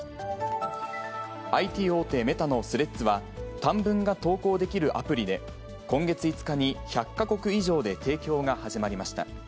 ＩＴ大手、メタのスレッズは、短文が投稿できるアプリで、今月５日に１００か国以上で提供が始まりました。